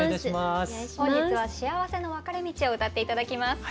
本日は「幸せの分かれ道」を歌って頂きます。